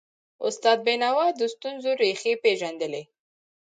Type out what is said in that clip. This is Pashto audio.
استاد بینوا د ستونزو ریښې پېژندلي.